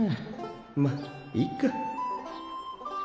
まっいっか。